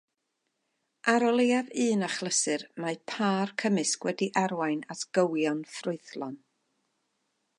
Ar o leiaf un achlysur mae pâr cymysg wedi arwain at gywion ffrwythlon.